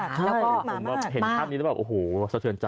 แล้วก็ผมเห็นภาพนี้แล้วแบบโอ้โหสะเทือนใจ